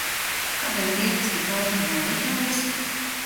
Kādēļ riepas tik ātri nolietojas?